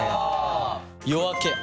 「夜明け」。